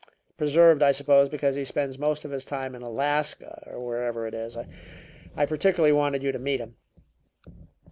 Preserved, I suppose, because he spends most of his time in Alaska, or wherever it is. I particularly wanted you to meet him."